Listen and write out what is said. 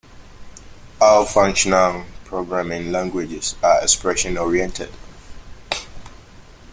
All functional programming languages are expression-oriented.